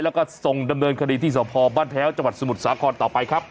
แล้วก็ส่งดำเนินคดีที่สพบ้านแพ้วจังหวัดสมุทรสาครต่อไปครับ